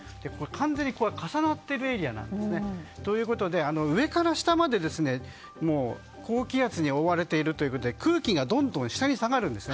完全に重なっているエリアなんです。ということで上から下まで高気圧に覆われているということで空気がどんどん下に下がるんです。